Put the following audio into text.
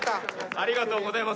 ありがとうございます。